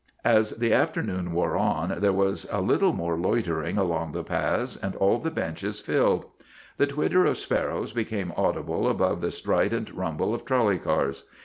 As the afternoon wore on there was a little more loitering along the paths and all the benches filled. The twitter of sparrows became audible above the strident rumble of trolley cars.